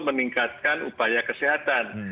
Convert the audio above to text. meningkatkan upaya kesehatan